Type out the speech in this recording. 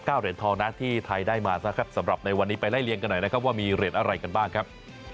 เหรียญทองนะที่ไทยได้มานะครับสำหรับในวันนี้ไปไล่เลี่ยงกันหน่อยนะครับว่ามีเหรียญอะไรกันบ้างครับ